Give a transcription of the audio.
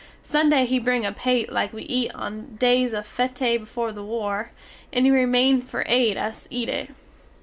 Sunday he bring a paté like we eat on days of féte before the war; and he remain for aid us eat it.